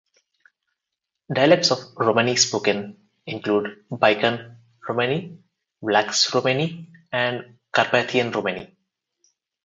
Dialects of Romani spoken include Balkan Romani, Vlax Romani, and Carpathian Romani.